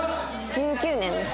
１９年です。